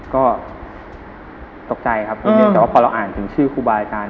ก็ตกใจครับแต่ว่าพอเราอ่านถึงชื่อครูบาอาจารย์